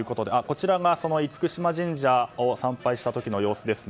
こちらが厳島神社を参拝した時の様子です。